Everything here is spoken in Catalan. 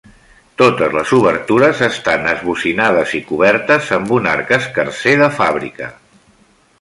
Totes les obertures estan esbocinades i cobertes amb un arc escarser de fàbrica.